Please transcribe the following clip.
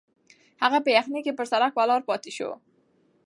هغه په یخني کې پر سړک ولاړ پاتې شو.